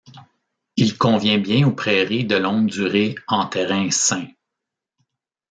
Il convient bien aux prairies de longue durée en terrain sain.